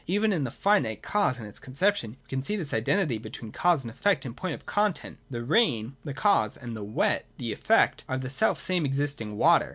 Even in the finite cause and its conception we can see this identity between cause and effect in point of con tent. The rain (the cause) and the wet (the effect) are the self same existing water.